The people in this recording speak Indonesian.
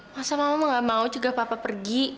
masa mama gak mau cegah papa pergi